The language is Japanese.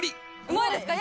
うまいですか？